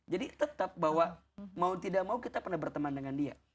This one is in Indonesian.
jadi tetap bahwa mau tidak mau kita pernah berteman dengan dia